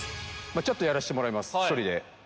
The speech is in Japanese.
ちょっとやらせてもらいます１人で。